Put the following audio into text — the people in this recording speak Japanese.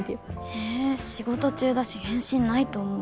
ええ仕事中だし返信ないと思うよ。